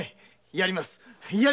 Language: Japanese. やります！